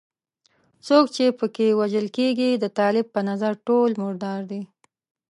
څوک چې په کې وژل کېږي د طالب په نظر ټول مردار دي.